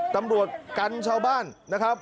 ตำรวจกันชาวบ้านนะครับ